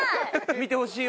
見てほしいわ！